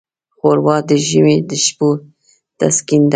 ښوروا د ژمي د شپو تسکین ده.